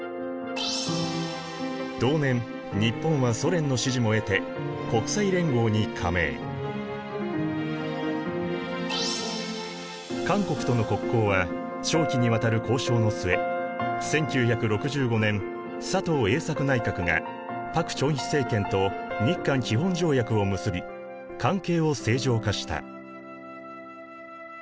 同年日本はソ連の支持も得て韓国との国交は長期にわたる交渉の末１９６５年佐藤栄作内閣が朴正熙政権と日韓基本条約を結び関係を正常化した。